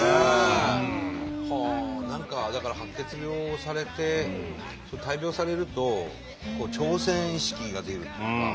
何かだから白血病をされて大病をされると挑戦意識が出るというか。